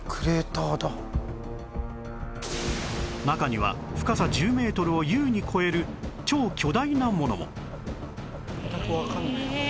中には深さ１０メートルを優に超える超巨大なものもええ！